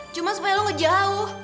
cuma supaya lo gak jauh